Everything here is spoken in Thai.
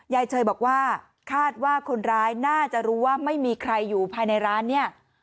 เชยบอกว่าคาดว่าคนร้ายน่าจะรู้ว่าไม่มีใครอยู่ภายในร้านเนี่ย